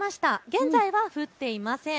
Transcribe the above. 現在は降っていません。